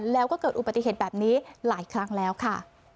แล้วก็เกิดอุบัติเหตุแบบนี้หลายครั้งแล้วค่ะ